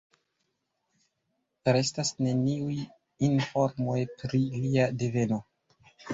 Restas neniuj informoj pri lia deveno.